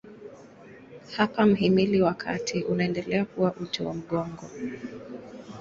Hapa mhimili wa kati unaendelea kuwa uti wa mgongo.